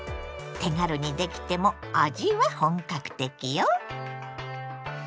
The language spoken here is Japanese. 手軽にできても味は本格的よ。